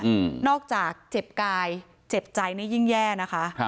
อืมนอกจากเจ็บกายเจ็บใจนี่ยิ่งแย่นะคะครับ